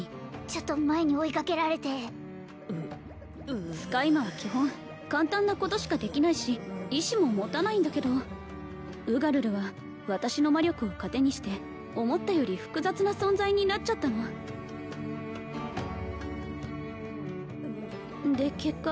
ちょっと前に追いかけられて使い魔は基本簡単なことしかできないし意志も持たないんだけどウガルルは私の魔力を糧にして思ったより複雑な存在になっちゃったので結果